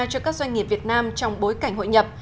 cho các doanh nghiệp việt nam trong bối cảnh hội nhập